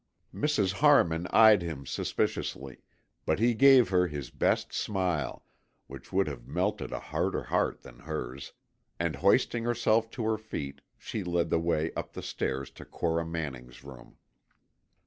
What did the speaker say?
Mrs. Harmon eyed him suspiciously, but he gave her his best smile, which would have melted a harder heart than hers, and hoisting herself to her feet she led the way up the stairs to Cora Manning's room.